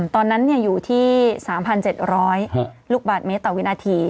ตอนนั้นอยู่ที่๓๗๐๐ลูกบาทเมตรต่อวินาที